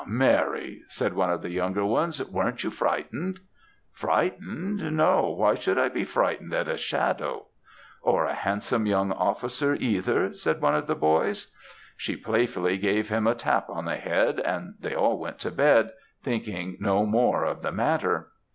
Mary,' said one of the younger ones, 'weren't you frightened?' "'Frightened! no, why should I be frightened at a shadow?' "'Or a handsome young officer either,' said one of the boys. "She playfully gave him a tap on the head, and they all went to bed, thinking no more of the matter.